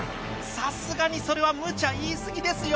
さすがにそれはむちゃ言い過ぎですよ。